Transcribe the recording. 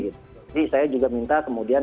jadi saya juga minta kemudian